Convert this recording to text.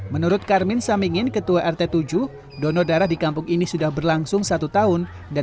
menurut karmin samingin ketua rt tujuh donor darah di kampung ini sudah berlangsung satu tahun dan